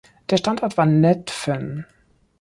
Der Standort war Netphen.